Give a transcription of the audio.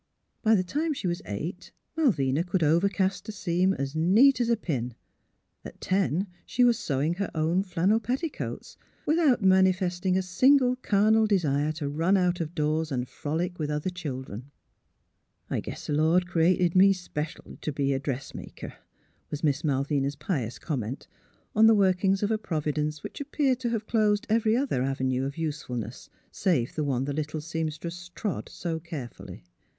By the time she was eight Malvina could overcast a seam '' es neat es a pin;" at ten she was sewing her own flannel petticoats, without manifesting a single carnal desire to run out of doors and frolic with other children. *' I guess the Lord created me 'special t' be a dressmaker," was Miss Malvina 's pious comment on the workings of a Providence which appeared to have closed every other avenue of usefulness save the one the little seamstress trod so cheer fully.